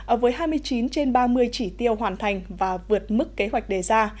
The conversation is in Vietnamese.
ở với hai mươi chín trên ba mươi chỉ tiêu hoàn thành và vượt mức kế hoạch đề ra